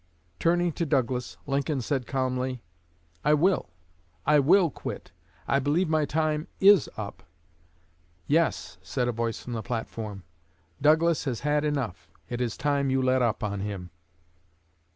Turning to Douglas, Lincoln said calmly: 'I will. I will quit. I believe my time is up.' 'Yes,' said a voice from the platform, 'Douglas has had enough; it is time you let up on him.'"